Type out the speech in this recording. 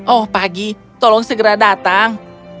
oh pagi tolong segera datang